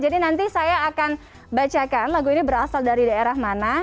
jadi nanti saya akan bacakan lagu ini berasal dari daerah mana